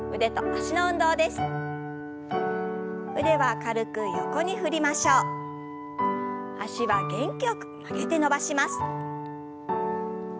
脚は元気よく曲げて伸ばします。